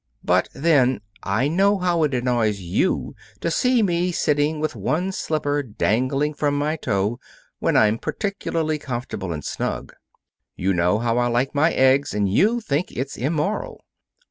But, then, I know how it annoys you to see me sitting with one slipper dangling from my toe, when I'm particularly comfortable and snug. You know how I like my eggs, and you think it's immoral.